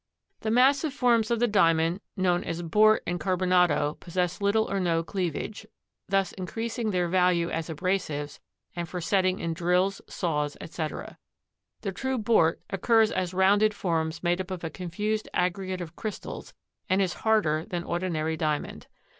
The massive forms of the Diamond known as bort and carbonado possess little or no cleavage, thus increasing their value as abrasives and for setting in drills, saws, etc. The true bort occurs as rounded forms made up of a confused aggregate of crystals and is harder than ordinary Diamond.